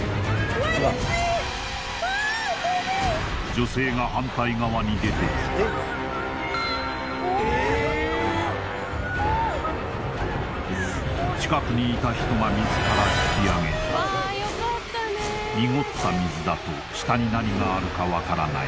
女性が反対側に出てきた近くにいた人が水から引きあげた濁った水だと下に何があるか分からない